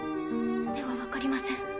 では分かりません。